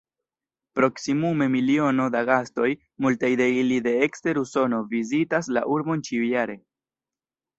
Proksimume miliono da gastoj, multaj de ili de ekster Usono, vizitas la urbon ĉiujare.